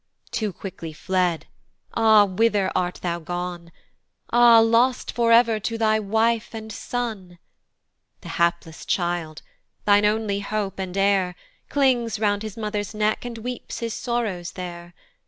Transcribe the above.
Too quickly fled, ah! whither art thou gone? Ah! lost for ever to thy wife and son! The hapless child, thine only hope and heir, Clings round his mother's neck, and weeps his sorrows there.